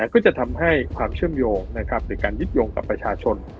ก็จะทำให้ความเชื่อมโยงในการยึดโยงกับประชาชน